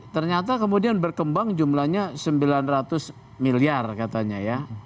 ternyata kemudian berkembang jumlahnya sembilan ratus miliar katanya ya